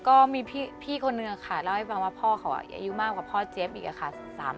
ก็มีพี่คนนึงค่ะเล่าให้ฟังว่าพ่อเขาอายุมากกว่าพ่อเจี๊ยบอีกค่ะ